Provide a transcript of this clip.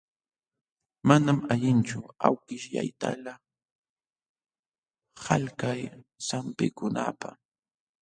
Manam allinchu awkishyaytalaq qalkay sampikunapaq.